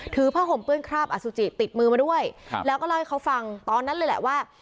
ผ้าห่มเปื้อนคราบอสุจิติดมือมาด้วยครับแล้วก็เล่าให้เขาฟังตอนนั้นเลยแหละว่า